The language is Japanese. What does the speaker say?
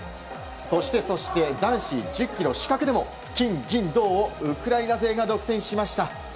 そしてそして男子１０ｋｍ視覚でも金、銀、銅をウクライナ勢が占領しました。